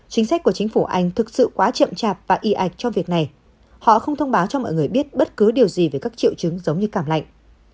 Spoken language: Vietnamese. chính sách của chính phủ anh thực sự quá chậm chạp và y ạch cho việc này họ không thông báo cho mọi người biết bất cứ điều gì về các triệu chứng giống như cảm lạnh